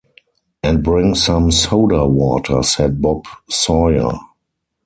‘And bring some soda-water,’ said Bob Sawyer.